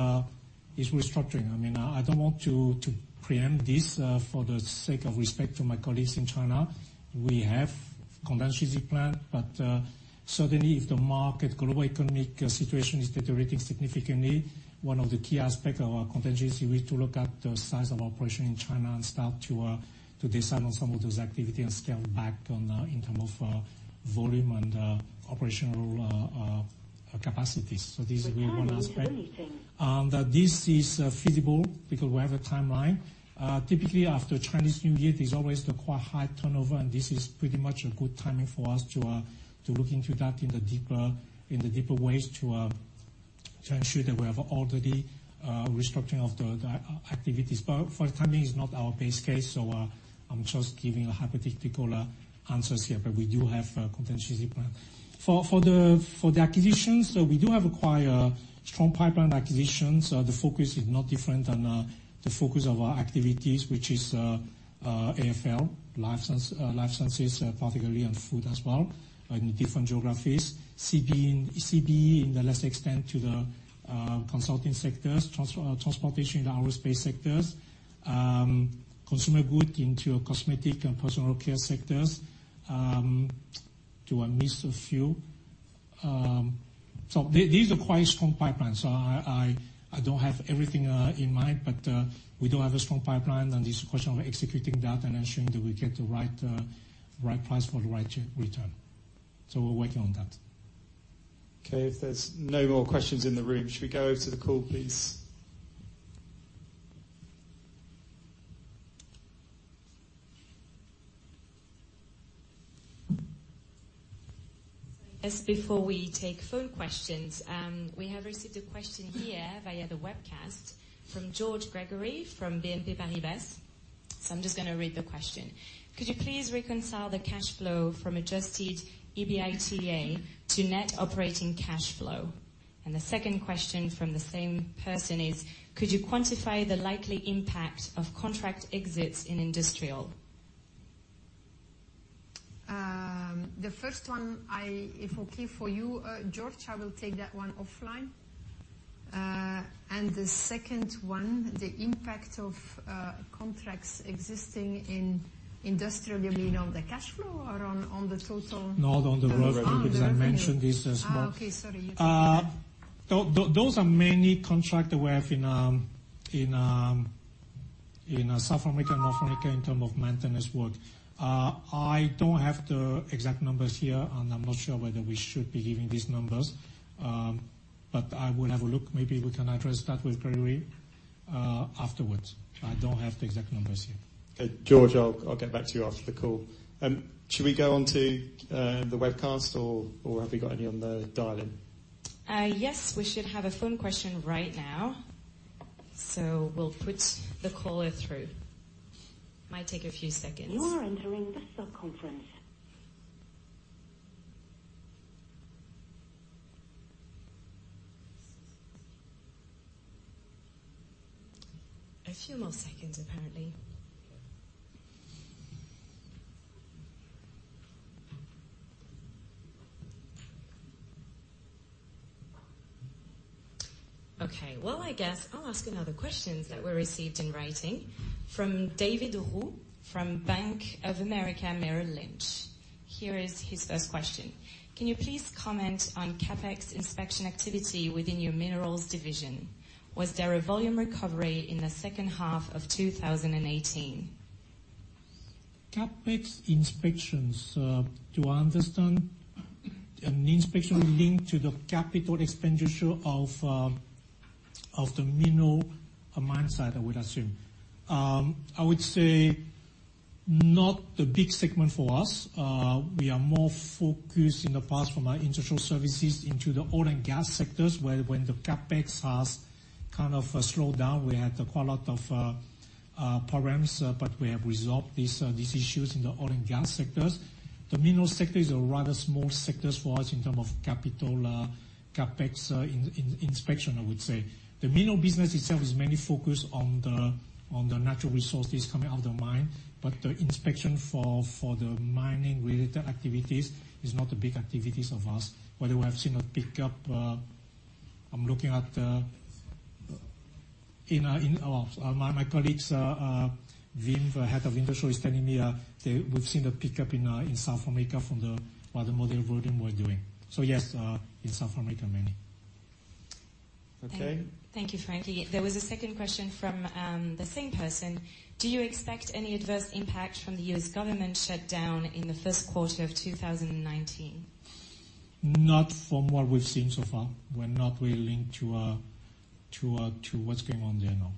A: restructuring. I don't want to preempt this for the sake of respect to my colleagues in China. We have contingency plan, but certainly if the market global economic situation is deteriorating significantly, one of the key aspect of our contingency, we need to look at the size of operation in China and start to decide on some of those activity and scale back in term of volume and operational capacities. These we will assess. This is feasible because we have a timeline. Typically, after Chinese New Year, there's always the quite high turnover, and this is pretty much a good timing for us to look into that in the deeper ways to ensure that we have already restructuring of the activities. For the time being, it's not our base case. I'm just giving a hypothetical answers here. We do have a contingency plan. For the acquisitions, we do have quite a strong pipeline of acquisitions. The focus is not different than the focus of our activities, which is AFL, life sciences, particularly on food as well in different geographies. CBE in the less extent to the consulting sectors. Transportation in the aerospace sectors. Consumer good into cosmetic and personal care sectors. Do I miss a few? These are quite strong pipelines. I don't have everything in mind, but we do have a strong pipeline, and this question of executing that and ensuring that we get the right price for the right return. We're working on that.
C: If there's no more questions in the room, should we go over to the call, please?
J: Just before we take phone questions, we have received a question here via the webcast from George Gregory from BNP Paribas. I'm just going to read the question. Could you please reconcile the cash flow from adjusted EBITDA to net operating cash flow? The second question from the same person is, could you quantify the likely impact of contract exits in industrial?
B: The first one, if okay for you, George, I will take that one offline. The second one, the impact of contracts existing in industrial, you mean on the cash flow or on the total?
A: Not on the revenue because I mentioned this as well.
B: Okay, sorry.
A: Those are mainly contract we have in South Africa and North Africa in term of maintenance work. I don't have the exact numbers here, and I'm not sure whether we should be giving these numbers. I would have a look, maybe we can address that with Gregory afterwards. I don't have the exact numbers here.
C: Okay. George, I'll get back to you after the call. Should we go on to the webcast or have we got any on the dial-in?
J: Yes, we should have a phone question right now. We'll put the caller through. Might take a few seconds.
E: You are entering the sub-conference.
J: A few more seconds, apparently. Okay. Well, I guess I'll ask another questions that were received in writing from David Roux from Bank of America Merrill Lynch. Here is his first question: Can you please comment on CapEx inspection activity within your minerals division? Was there a volume recovery in the second half of 2018?
A: CapEx inspections, do I understand an inspection linked to the capital expenditure of the mineral mine site, I would assume? I would say not the big segment for us. We are more focused in the past from our industrial services into the oil and gas sectors, where when the CapEx has kind of slowed down, we had quite a lot of problems. We have resolved these issues in the oil and gas sectors. The mineral sector is a rather small sector for us in term of capital CapEx in inspection, I would say. The mineral business itself is mainly focused on the natural resources coming out of the mine. The inspection for the mining-related activities is not a big activities of us. Whether we have seen a pickup, I'm looking at My colleagues, Wim, the Head of Industrial, is telling me they we've seen a pickup in South Africa from the model volume we're doing. Yes, in South Africa, mainly.
J: Thank you, Frankie. There was a second question from the same person. Do you expect any adverse impact from the U.S. government shutdown in the first quarter of 2019?
A: Not from what we've seen so far. We're not really linked to what's going on there, no.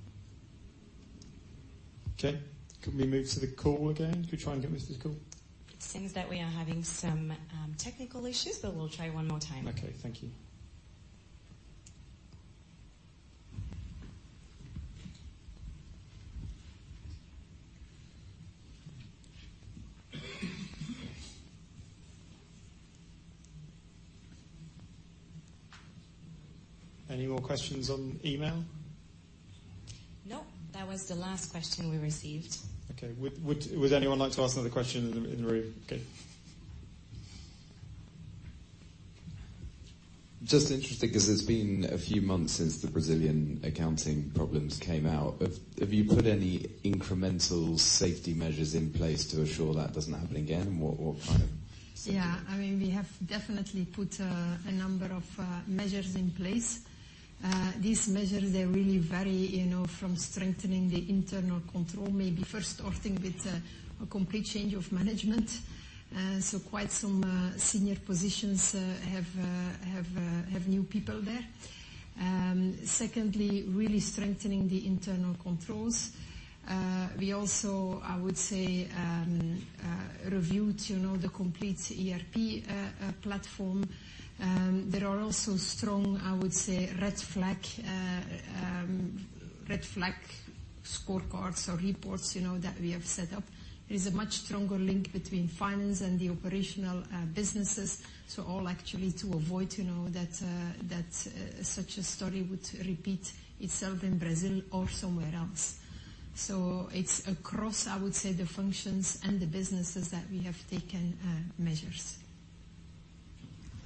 C: Okay. Can we move to the call again? Could we try and get Mr. Call?
J: It seems that we are having some technical issues, but we'll try one more time.
C: Okay. Thank you. Any more questions on email?
J: No. That was the last question we received.
C: Okay. Would anyone like to ask another question in the room? Okay.
K: Just interested because it's been a few months since the Brazilian accounting problems came out. Have you put any incremental safety measures in place to assure that doesn't happen again? What kind of safety?
B: Yeah. We have definitely put a number of measures in place. These measures, they really vary from strengthening the internal control, maybe first starting with a complete change of management. Quite some senior positions have new people there. Secondly, really strengthening the internal controls. We also, I would say, reviewed the complete ERP platform. There are also strong, I would say, red flag scorecards or reports that we have set up. There is a much stronger link between finance and the operational businesses. All actually to avoid that such a story would repeat itself in Brazil or somewhere else. It's across, I would say, the functions and the businesses that we have taken measures.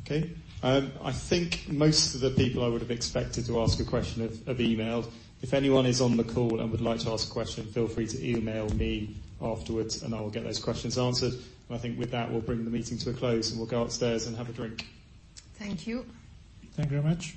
C: Okay. I think most of the people I would have expected to ask a question have emailed. If anyone is on the call and would like to ask a question, feel free to email me afterwards and I will get those questions answered. I think with that, we'll bring the meeting to a close, and we'll go upstairs and have a drink.
B: Thank you.
A: Thank you very much.